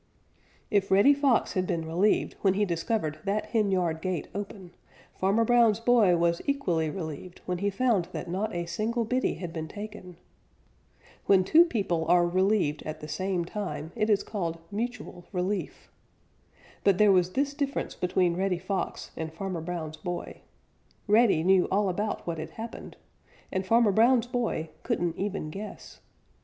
If Reddy Fox had been relieved when he discovered that henyard gate open, Farmer Brown's boy was equally relieved when he found that not a single biddie had been taken. When two people are relieved at the same time, it is called mutual relief. But there was this difference between Reddy Fox and Farmer Brown's boy: Reddy knew all about what had happened, and Farmer Brown's boy couldn't even guess.